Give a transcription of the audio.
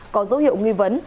có dấu hiệu nghi vấn